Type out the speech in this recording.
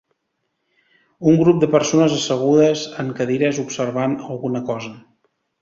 Un grup de persones assegudes en cadires observant alguna cosa